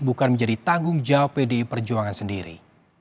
bukan menjadi tanggung jawab pdi perjuangan sendiri